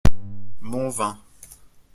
Mon vin.